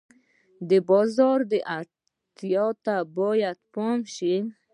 د بازار اړتیاوو ته باید پام وشي.